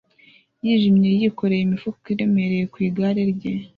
yijimye yikoreye imifuka iremereye ku igare rye